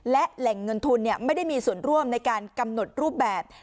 และแหล่งเงินทุนไม่ได้มีส่วนร่วมในการกำหนดรูปแบบ